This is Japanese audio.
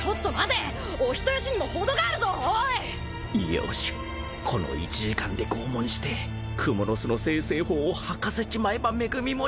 よしこの１時間で拷問して蜘蛛の巣の精製法を吐かせちまえば恵も用なし